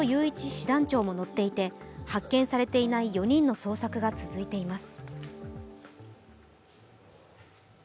師団長も乗っていて発見されていない４人の捜索が続いています。